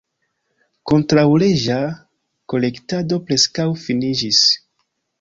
Kontraŭleĝa kolektado preskaŭ finiĝis.